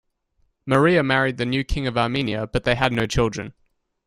Maria married the new King of Armenia but they had no children.